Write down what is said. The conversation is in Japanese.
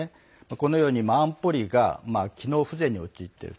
このように安保理が機能不全に陥っている。